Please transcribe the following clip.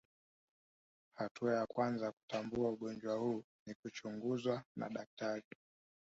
Hatua ya kwanza ya kutambua ugonjwa huu ni kuchunguzwa na daktari